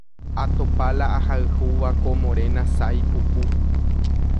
atopa la ahayhúva ko morena sái puku